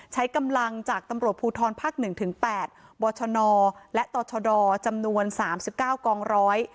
ใช้กำลังจากตำรวจภูทรภาค๑ถึง๘บชนและต่อชดจำนวน๓๙กองร้อย